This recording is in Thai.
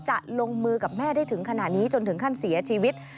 จะลงมือกับแม่ได้ถึงขนาดนี้จนถึงขั้นเสียชีวิต